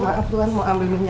maaf tuan mau ambil minyaknya